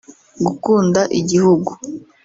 Gukunda igihugu